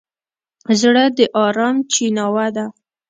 زړه د ارام چیناوه ده.